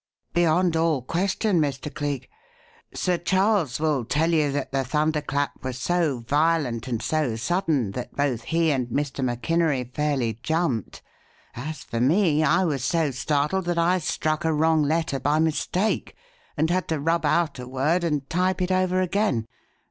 "Beyond all question, Mr. Cleek. Sir Charles will tell you that the thunder clap was so violent and so sudden that both he and Mr. MacInery fairly jumped. As for me, I was so startled that I struck a wrong letter by mistake and had to rub out a word and type it over again.